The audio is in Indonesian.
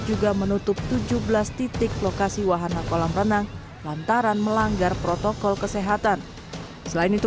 juga menutup tujuh belas titik lokasi wahana kolam renang lantaran melanggar protokol kesehatan selain itu